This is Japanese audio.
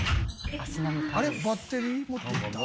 あれバッテリー持ってった？